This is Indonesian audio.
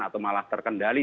atau malah terkendali